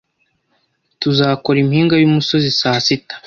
Tuzakora impinga yumusozi saa sita